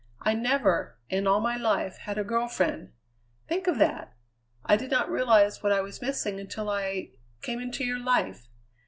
I never, in all my life, had a girl friend. Think of that! I did not realize what I was missing until I came into your life.